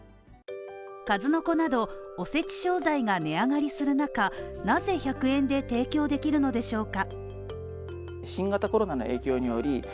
数の子などおせち食材が値上がりする中、なぜ１００円で提供できるのでしょうか。